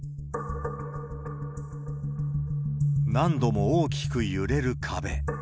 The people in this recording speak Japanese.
何度も大きく揺れる壁。